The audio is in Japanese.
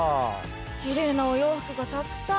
きれいなお洋服がたくさん！